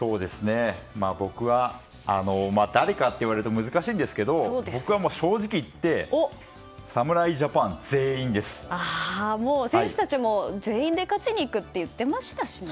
僕は、誰かと言われると難しいんですが正直言って選手たちも全員で勝ちにいくって言っていましたしね。